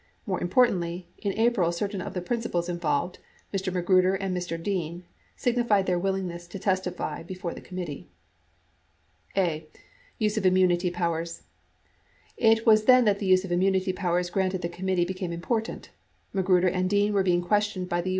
More importantly, in April certain of the principals involved — Mr. Magruder and Mr. Dean — signified their willingness to testify before the committee. A. Use of Immunity Powers It was then that the use of immunity powers granted the committee became important. Magruder and Dean were being questioned by the U.